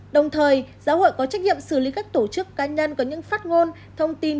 đồng thời giáo hội có trách nhiệm xử lý các tổ chức cá nhân có những phát ngôn thông tin